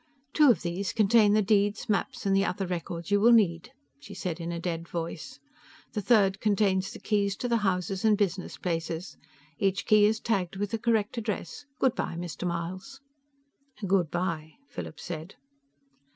"Two of these contain the deeds, maps and other records you will need," she said in a dead voice. "The third contains the keys to the houses and business places. Each key is tagged with the correct address. Good by, Mr. Myles." "Good by," Philip said.